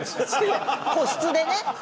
個室でね。